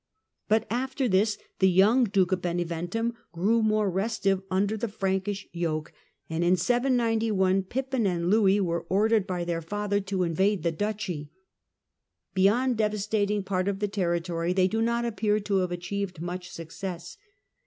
But after this the young Duke of Beneventum grew more restive under the Frankish yoke, and in 791 Pippin and Louis were ordered by their father to invade the duchy. Beyond devastating part of the territory they do not appear to have achieved much success.